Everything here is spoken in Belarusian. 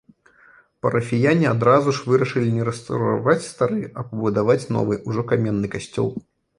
Парафіяне адразу ж вырашалі не рэстаўраваць стары, а пабудаваць новы, ужо каменны касцёл.